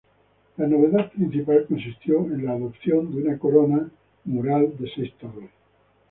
La novedad principal consistió en la adopción de una corona mural de seis torres.